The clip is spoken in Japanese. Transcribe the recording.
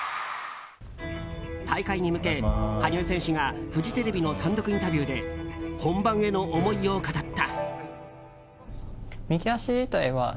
大会に向け、羽生選手がフジテレビの単独インタビューで本番への思いを語った。